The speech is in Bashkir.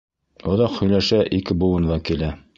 Оҙаҡ һөйләшә ике быуын вәкиле.